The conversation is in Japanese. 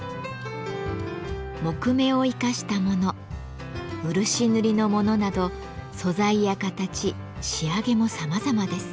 木目を生かしたもの漆塗りのものなど素材や形仕上げもさまざまです。